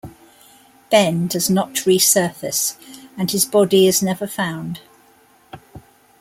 Ben does not resurface and his body is never found.